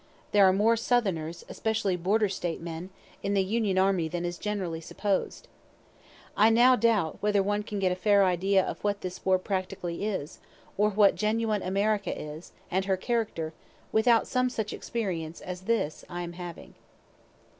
(There are more Southerners, especially border State men, in the Union army than is generally supposed. [A]) I now doubt whether one can get a fair idea of what this war practically is, or what genuine America is, and her character, without some such experience as this I am having.